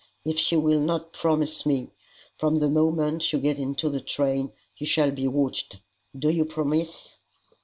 If you will not promise me, from the moment you get into the train you shall be watched. Do you promise?"